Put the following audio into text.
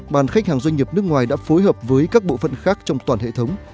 bàn khách hàng doanh nghiệp nước ngoài đã phối hợp với các bộ phận khác trong toàn hệ thống